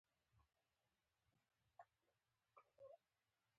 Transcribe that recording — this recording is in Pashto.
د دوو پښو پر ځای څلور پښې.